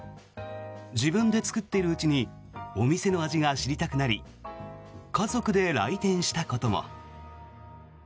自分で作っているうちにお店の味が知りたくなり家族で来店したことも。